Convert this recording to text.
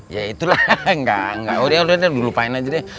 ya itulah enggak udah udah lupain aja deh